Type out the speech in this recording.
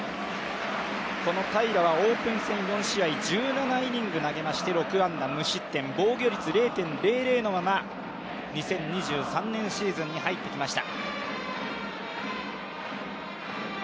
この平良はオープン戦４試合１７イニング投げまして６安打無失点防御率０．００のまま２０２３年シーズンに入ってきました。